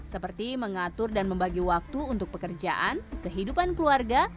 seperti mengatur dan membagi waktu untuk pekerjaan kehidupan keluarga